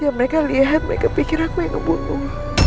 yang mereka lihat mereka pikir aku yang ngebunuh